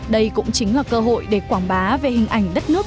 đây cũng chính là cơ hội để quảng bá về hình ảnh đất nước